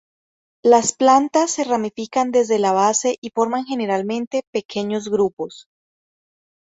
Las plantas se ramifican desde la base y forman generalmente pequeños grupos.